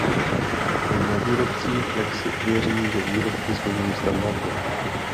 Je na výrobcích, jak si ověří, že výrobky splňují standardy.